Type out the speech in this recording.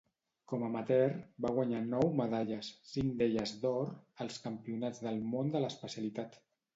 Com amateur, va guanyar nou medalles, cinc d'elles d'or, als Campionats del món de l'especialitat.